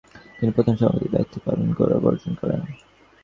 তিনি প্রথম সভাপতির দায়িত্ব লাভের গৌরব অর্জন করেন।